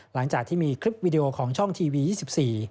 หลังจากที่มีคลิปวิดีโอของช่องทีวี๒๔